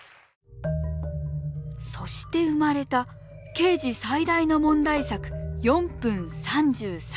そして生まれたケージ最大の問題作「４分３３秒」。